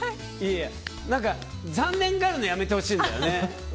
いやいや残念がるのやめてほしいんだよね。